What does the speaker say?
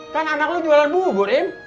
kan anak lo jualan bubur im